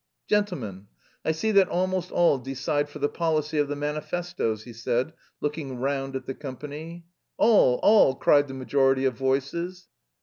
"Gentlemen, I see that almost all decide for the policy of the manifestoes," he said, looking round at the company. "All, all!" cried the majority of voices.